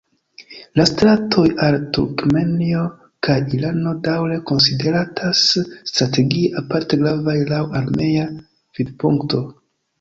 La stratoj al Turkmenio kaj Irano daŭre konsideratas strategie aparte gravaj laŭ armea vidpunkto.